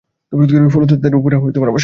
ফলে তাদের উপর আমার শাস্তি আপতিত হয়েছে।